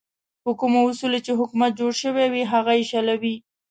په کومو اصولو چې حکومت جوړ شوی وي هغه یې شلوي.